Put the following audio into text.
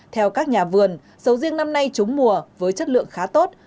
theo các nhà vườn sầu riêng năm nay trúng mùa với chất lượng khá tốt